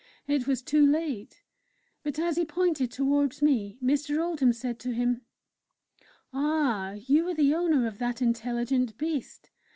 It was too late. But as he pointed towards me, Mr. Oldham said to him: "Ah! You are the owner of that intelligent beast?